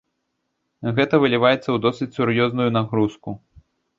Гэта выліваецца ў досыць сур'ёзную нагрузку.